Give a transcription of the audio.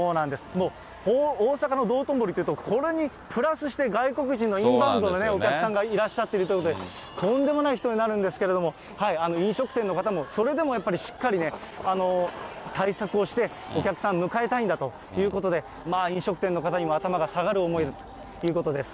もう大阪の道頓堀というと、これにプラスして、外国人のインバウンドのね、お客さんがいらっしゃってるということで、とんでもない人になるんですけども、飲食店の方も、それでもやっぱりしっかりね、対策をして、お客さん、迎えたいんだということで、飲食店の方にも頭が下がる思いだということです。